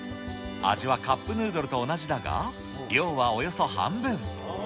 味はカップヌードルと同じだが、量はおよそ半分。